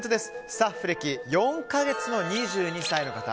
スタッフ歴４か月の２２歳の方。